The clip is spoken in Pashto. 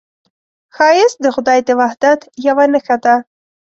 ښایست د خدای د وحدت یوه نښه ده